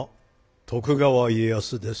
徳川家康です。